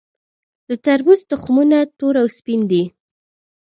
د تربوز تخمونه تور او سپین وي.